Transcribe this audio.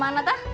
pas penjahit dah